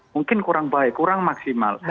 mungkin kurang baik kurang maksimal